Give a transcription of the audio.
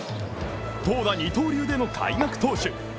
投打二刀流で開幕投手